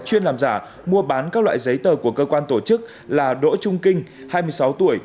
chuyên làm giả mua bán các loại giấy tờ của cơ quan tổ chức là đỗ trung kinh hai mươi sáu tuổi